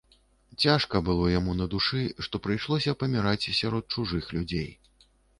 Цяжка было яму на душы, што прыйшлося паміраць сярод чужых людзей.